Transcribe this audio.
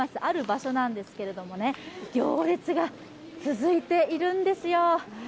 ある場所なんですけれども、行列が続いているんですよ。